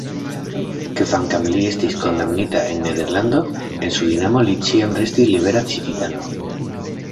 Kvankam li estis kondamnita en Nederlando, en Surinamo li ĉiam restis libera civitano.